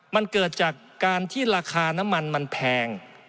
มันเกิดจากการที่ราคาน้ำมันมันแพง